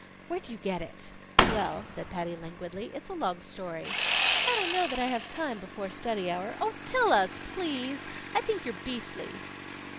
"Where'd you get it?" "Well," said Patty languidly, "it's a long story. I don't know that I have time before study hour " "Oh, tell us, please. I think you're beastly!"